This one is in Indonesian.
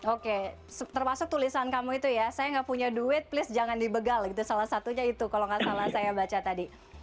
oke termasuk tulisan kamu itu ya saya nggak punya duit please jangan dibegal gitu salah satunya itu kalau nggak salah saya baca tadi